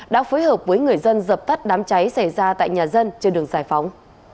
đã phối hợp với người dân dập tắt đám cháy xảy ra tại nhà dân trên đường giải phóng